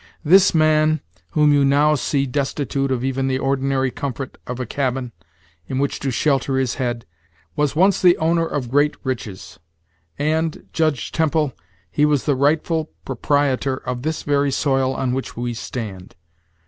This man, whom you now see destitute of even the ordinary comfort of a cabin, in which to shelter his head, was once the owner of great riches and, Judge Temple, he was the rightful proprietor of this very soil on which we stand.